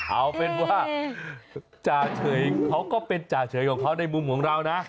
เอาเป็นว่าจ่าเฉยเขาก็เป็นจ่าเฉยของเขาในมุมของเรานะ